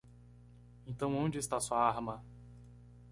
Então onde está sua arma?